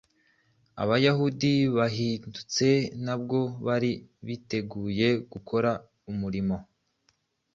Abayahudi bahindutse ntabwo bari biteguye gukora umurimo